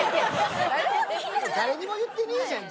誰にも言ってねえじゃん